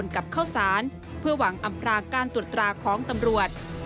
กับข้าวสารเพื่อหวังอำพรางการตรวจตราของตำรวจ